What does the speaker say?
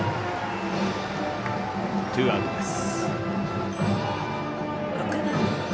ツーアウトです。